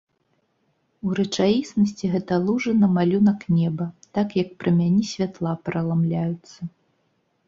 У рэчаіснасці гэта лужына малюнак неба, так як прамяні святла праламляюцца.